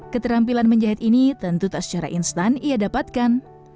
keterampilan menjahit ini tentu tak secara instan ia dapatkan